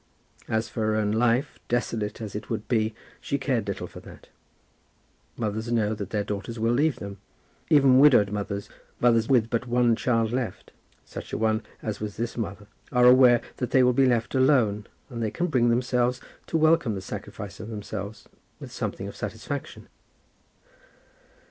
As for her own life, desolate as it would be, she cared little for that. Mothers know that their daughters will leave them. Even widowed mothers, mothers with but one child left, such a one as was this mother, are aware that they will be left alone, and they can bring themselves to welcome the sacrifice of themselves with something of satisfaction.